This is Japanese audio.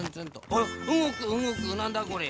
あらうごくうごくなんだこれ？